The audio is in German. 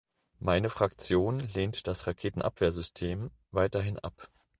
Meine Fraktion lehnt das Raketenabwehrsystem weiterhin ab.